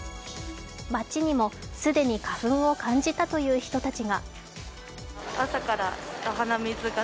街にも、既に花粉を感じたという人たちが。